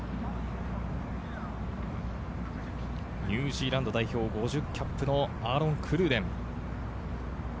ニュージーランド代表５０キャップのアーロン・クルーデン。